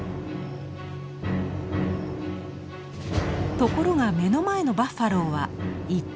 ところが目の前のバッファローは１頭だけ。